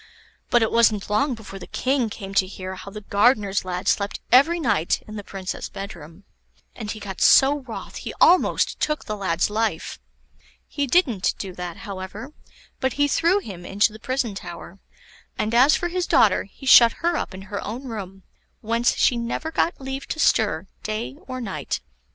But it wasn't long before the King came to hear how the gardener's lad slept every night in the Princess' bedroom; and he got so wroth he almost took the lad's life. He didn't do that, however, but he threw him into the prison tower; and as for his daughter, he shut her up in her own room, whence she never got leave to stir day or night.